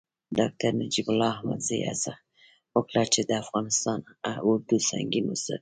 ډاکتر نجیب الله احمدزي هڅه وکړه چې د افغانستان اردو سنګین وساتي.